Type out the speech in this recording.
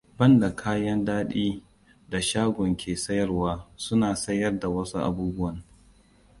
Banda kayan ɗaki da shagon ke sayarwa suna sayar da wasu abubuwan.